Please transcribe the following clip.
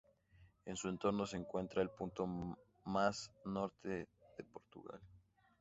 En su entorno se encuentra el punto más a norte de Portugal.